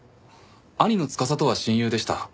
兄の司とは親友でした。